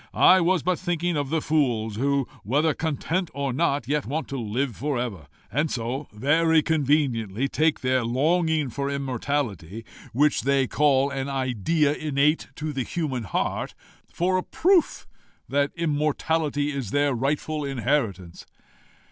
I was but thinking of the fools who, whether content or not, yet want to live for ever, and so, very conveniently, take their longing for immortality, which they call an idea innate in the human heart, for a proof that immortality is their rightful inheritance."